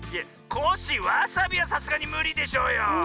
コッシーわさびはさすがにむりでしょうよ。